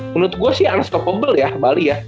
menurut gue sih unscovable ya bali ya